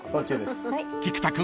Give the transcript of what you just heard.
［菊田君